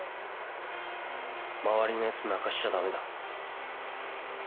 周りのやつ泣かしちゃ駄目だ。